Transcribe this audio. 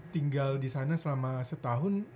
tinggal disana selama setahun